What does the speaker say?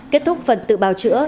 kết thúc phần tự bào chữa